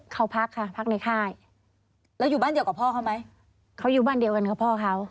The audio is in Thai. เขาพักค่ะพักในค่ายแล้วอยู่บ้านเดียวกับพ่อเขาไหมเขาอยู่บ้านเดียวกันกับพ่อเขา